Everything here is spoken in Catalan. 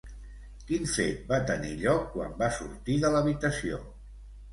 Quin fet va tenir lloc quan va sortir de l'habitació?